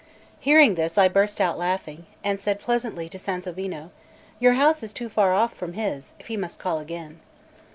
Hearing this, I burst out laughing, and said pleasantly to Sansovino: "Your house is too far off from his, if he must call again."